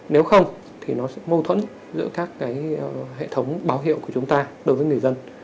nếu không thì nó sẽ mâu thuẫn giữa các hệ thống báo hiệu của chúng ta đối với người dân